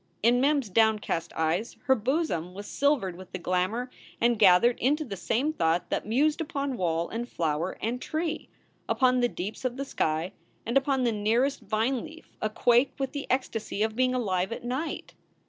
In Mem s down cast eyes her bosom was silvered with the glamour and gath ered into the same thought that mused upon wall and flower and tree, upon the deeps of the sky, and upon the nearest vine leaf aquake with the ecstasy of being alive at night.